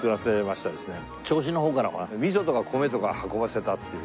銚子の方から味噌とか米とか運ばせたっていう。